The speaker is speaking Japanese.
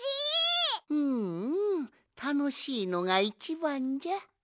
うんうんたのしいのがいちばんじゃ。